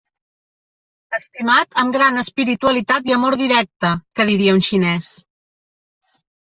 Estimat amb gran espiritualitat i amor directe, que diria un xinès.